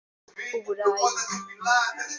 U Burayi